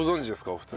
お二人。